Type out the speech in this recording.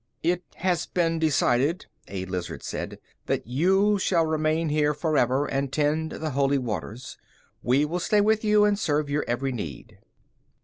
"It has been decided," a lizard said, "that you shall remain here forever and tend the Holy Waters. We will stay with you and serve your every need."